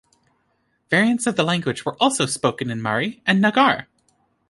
Variants of the language were also spoken in Mari and Nagar.